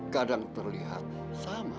kadang terlihat sama